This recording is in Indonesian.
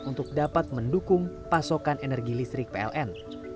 untuk dapat mendukung pasokan energi listrik pln